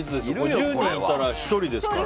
１０人いたら１人ですから。